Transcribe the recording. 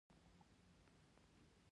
له خپلې خبرې څخه هم نشوى ګرځېدى.